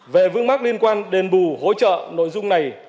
về vững mắt liên quan đền bù hỗ trợ nội dung này